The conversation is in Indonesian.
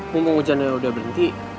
ngomong hujannya udah berhenti